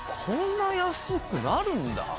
こんな安くなるんだ。